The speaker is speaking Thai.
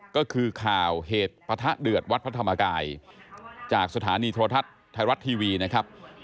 ก็คือข่าวเหตุปะทะเดือดวัดพระธรรมกายจากสถานีโทรทัศน์ไทยรัฐทีวีนะครับ